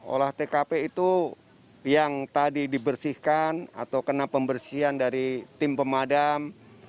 olah tkp itu yang tadi dibersihkan atau kena pembersihan dari tim pemadam